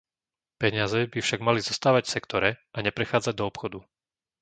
Peniaze by však mali zostávať v sektore a neprechádzať do obchodu.